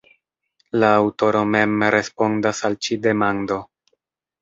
La aŭtoro mem respondas al ĉi demando.